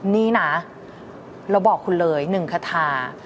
นี่นะเราบอกคุณเลย๑คาทา